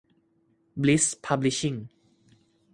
บลิส พับลิชชิ่ง